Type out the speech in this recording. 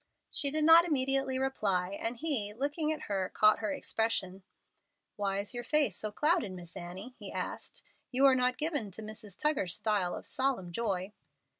She did not immediately reply, and he, looking at her, caught her expression. "Why is your face so clouded, Miss Annie?" he asked. "You are not given to Mrs. Tuggar's style of 'solemn joy'?"